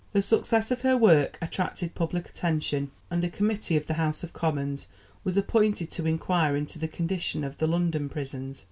The success of her work attracted public attention, and a Committee of the House of Commons was appointed to inquire into the condition of the London prisons.